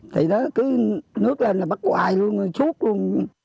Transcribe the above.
thì đó cứ nước lên là bắt hoài luôn suốt luôn